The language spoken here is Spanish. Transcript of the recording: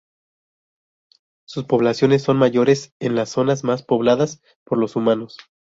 Sus poblaciones son mayores en las zonas más pobladas por los humanos.